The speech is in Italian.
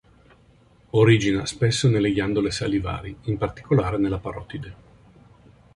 Origina spesso nelle ghiandole salivari, in particolare nella parotide.